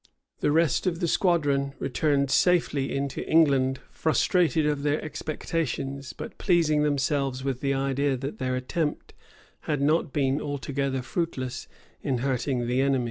[] The rest of the squadron returned safely into England frustrated of their expectations, but pleasing themselves with the idea that their attempt had not been altogether fruitless in hurting the enemy.